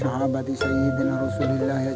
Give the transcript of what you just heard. kami berdoa kepada rasulullah